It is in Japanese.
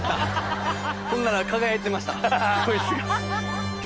ほんなら輝いてましたコイツが。